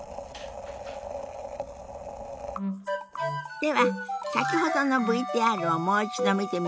では先ほどのＶＴＲをもう一度見てみましょう。